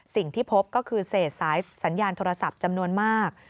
สิ่งที่พบก็คือเศษสายสัญญาณโทรศัพท์จำนวนมาก